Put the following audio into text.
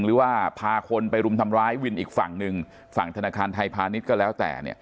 หรือว่าพาคนไปรุมทำร้ายวินอีกฝั่งหนึ่งฝั่งธนาคารไทยพาณิชย์ก็แล้วแต่